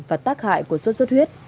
và tác hại của sốt sốt huyết